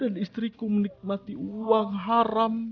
istriku menikmati uang haram